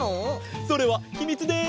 それはひみつです！